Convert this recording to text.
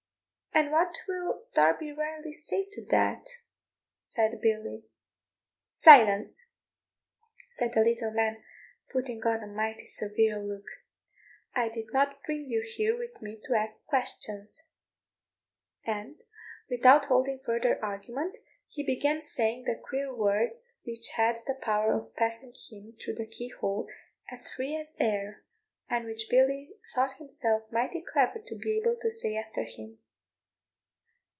"And what will Darby Riley say to that?" said Billy. "Silence!" said the little man, putting on a mighty severe look; "I did not bring you here with me to ask questions;" and without holding further argument, he began saying the queer words which had the power of passing him through the key hole as free as air, and which Billy thought himself mighty clever to be able to say after him.